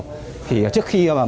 và bệnh nhân cũng bị thương nặng